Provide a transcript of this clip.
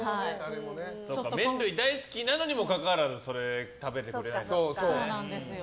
麺類大好きなのにもかかわらずそれを食べてくれなかったんだね。